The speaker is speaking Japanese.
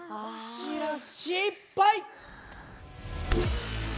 失敗！